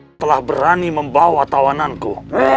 hai telah berani membawa tawanan ku